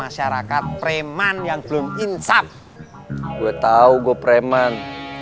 gak ada kan